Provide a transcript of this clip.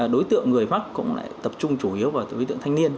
đối tượng người mắc cũng lại tập trung chủ yếu vào tổng thị tượng thanh niên